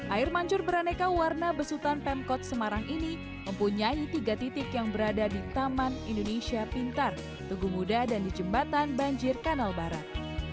air mancur beraneka warna besutan pemkot semarang ini mempunyai tiga titik yang berada di taman indonesia pintar tugu muda dan di jembatan banjir kanal barat